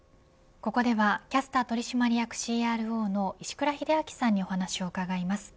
ここではキャスター取締役ＣＲＯの石倉秀明さんにお話を伺います。